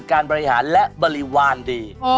การบริหารและบริวารดี